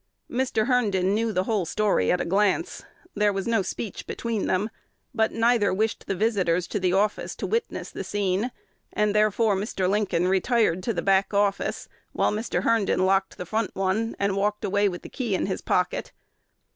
Mr. Herndon knew the whole story at a glance: there was no speech between them; but neither wished the visitors to the office to witness the scene; and, therefore, Mr. Lincoln retired to the back office, while Mr. Herndon locked the front one, and walked away with the key in his pocket.